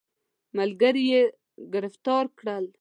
ملګري یې ګرفتار کړ.